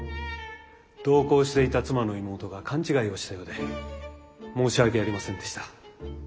同行していた妻の妹が勘違いをしたようで申し訳ありませんでした。